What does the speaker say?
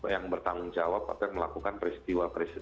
yang bertanggung jawab atau yang melakukan peristiwa peristiwa